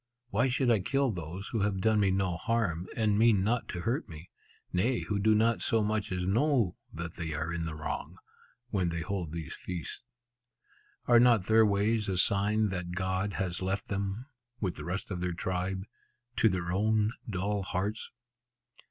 Why should I kill those who have done me no harm, and mean not to hurt me? Nay, who do not so much as know that they are in the wrong, when they hold these feasts. Are not their ways a sign that God has left them (with the rest of their tribe) to their own dull hearts?